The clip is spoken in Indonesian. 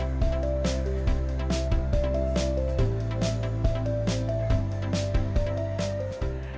sekarang penghasilnya baik